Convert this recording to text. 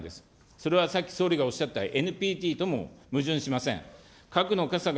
それはさっき、総理がおっしゃったＮＰＴとも矛盾しません。